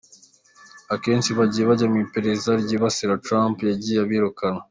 Akenshi abagiye bajya mu iperereza ryibasira Trump, yagiye abirukana.